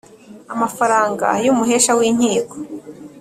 amafaranga y umuhesha w inkiko.